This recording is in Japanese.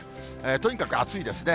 とにかく暑いですね。